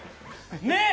ねえ。